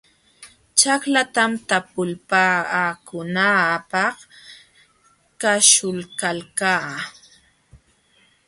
Ćhaklatam talpupaakunaapaq kaśhuykalkaa.